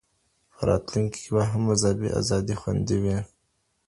په راتلونکي کي به هم مذهبي آزادي خوندي وي.